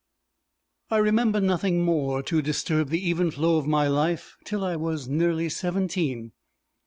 I remember nothing more to disturb the even flow of my life till I was nearly seventeen.